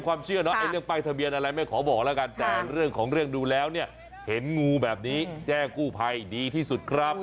ความเชื่อเนาะไอ้เรื่องป้ายทะเบียนอะไรไม่ขอบอกแล้วกันแต่เรื่องของเรื่องดูแล้วเนี่ยเห็นงูแบบนี้แจ้งกู้ภัยดีที่สุดครับ